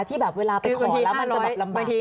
ที่แบบเวลาไปขอแล้วมันจะแบบลำบัง